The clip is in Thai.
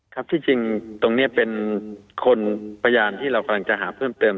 ครับที่จริงตรงนี้เป็นคนพยานที่เรากำลังจะหาเพิ่มเติม